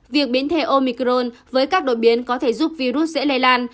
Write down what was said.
việc biến thể omicron với các đột biến có thể giúp virus dễ lây lan